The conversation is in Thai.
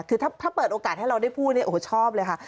คือถ้าเปิดโอกาสให้เราได้พูดเนี่ยโอ้โหชอบเลยค่ะ